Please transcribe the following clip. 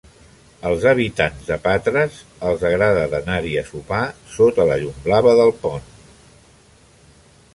Als habitants de Patres els agrada d'anar-hi a sopar sota la llum blava del pont.